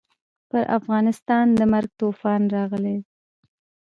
پر افغانستان د مرګ توپان راغلی دی.